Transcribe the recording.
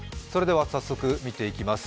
早速見ていきます。